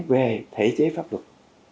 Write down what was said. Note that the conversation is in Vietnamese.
về thể chế pháp luật